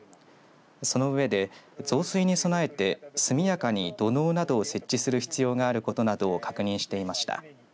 その上で、増水に備えて速やかに土のうなどを設置する必要があることなどを確認していました。